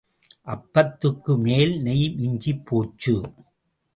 அப்பத்துக்கு மேல் நெய் மிஞ்சிப் போச்சு.